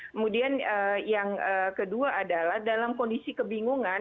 kemudian yang kedua adalah dalam kondisi kebingungan